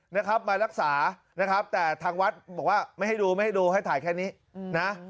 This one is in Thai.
นะครับมารักษานะครับแต่ทางวัดบอกว่าไม่ให้ดูไม่ให้ดูให้ถ่ายแค่นี้นะ